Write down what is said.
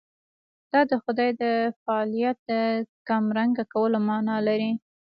دا د خدای د فاعلیت د کمرنګه کولو معنا لري.